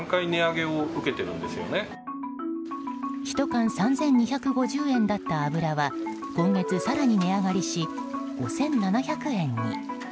１缶３２５０円だった油は今月更に値上がりし５７００円に。